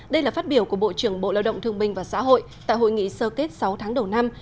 đây là phát biểu của bộ trưởng bộ lao động thương minh và xã hội tại hội nghị sơ kết sáu tháng đầu năm